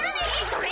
それ！